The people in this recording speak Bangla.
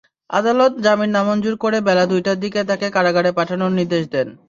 আদালত জামিন নামঞ্জুর করে বেলা দুইটার দিকে তাঁকে কারাগারে পাঠানোর নির্দেশ দেন।